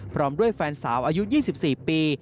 พร้อมด้วยแฟนสาวอายุ๒๔ปี